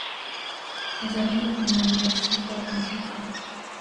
Ajalyň özünden gelşi gorkunçmyka?